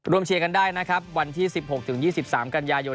เชียร์กันได้นะครับวันที่๑๖๒๓กันยายน